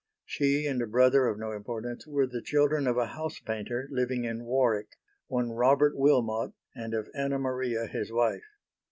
She, and a brother of no importance, were the children of a house painter living in Warwick, one Robert Wilmot, and of Anna Maria his wife.